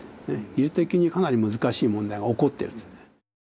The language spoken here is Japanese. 技術的にかなり難しい問題が起こってるという。